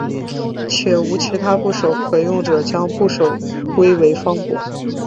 且无其他部首可用者将部首归为方部。